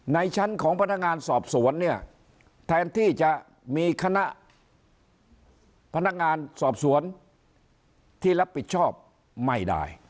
ในชั้นของพนักงานสอบสวนเนี่ยแทนที่จะมีคณะพนักงานสอบสวนที่รับผิดชอบไม่ได้